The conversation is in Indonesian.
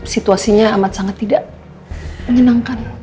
situasinya amat sangat tidak menyenangkan